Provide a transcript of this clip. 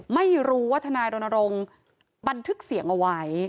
ไม่รู้ว่าทนายรณรงค์บันทึกเสียงเอาไว้